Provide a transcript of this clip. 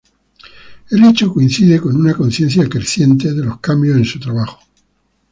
El hecho coincide con una conciencia creciente de los cambios en su trabajo.